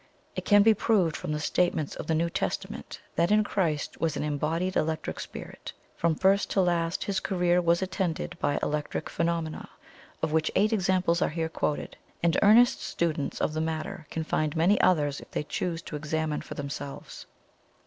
"It can be proved from the statements of the New Testament that in Christ was an Embodied Electric Spirit. From first to last His career was attended by ELECTRIC PHENOMENA, of which eight examples are here quoted; and earnest students of the matter can find many others if they choose to examine for themselves.